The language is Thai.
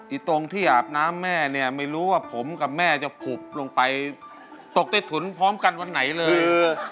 ตรงที่อาบน้ำแม่เนี่ยไม่รู้ว่าผมกับแม่จะขุบลงไปตกใต้ถุนพร้อมกันวันไหนเลย